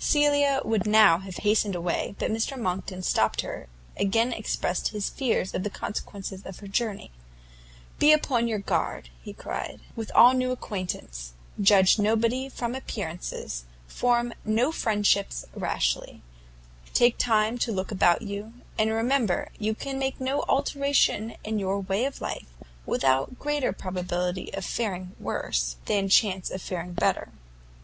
Cecilia would now have hastened away, but Mr Monckton, stopping her, again expressed his fears of the consequences of her journey; "Be upon your guard," he cried, "with all new acquaintance; judge nobody from appearances; form no friendship rashly; take time to look about you, and remember you can make no alteration in your way of life, without greater probability of faring worse, than chance of faring better.